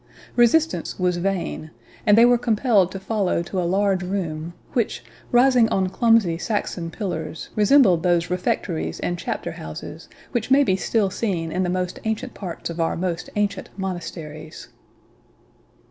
Resistance was vain; and they were compelled to follow to a large room, which, rising on clumsy Saxon pillars, resembled those refectories and chapter houses which may be still seen in the most ancient parts of our most ancient monasteries.